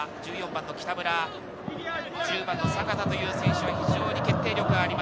１０番の阪田という選手は非常に決定力があります。